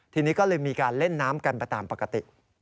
ทีนี้ก็เลยมีการเล่นน้ำกันไปตามปกติ